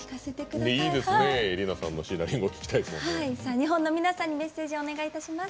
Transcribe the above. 日本の皆さんにメッセージをお願いします。